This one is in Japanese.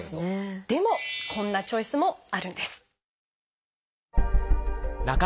でもこんなチョイスもあるんです。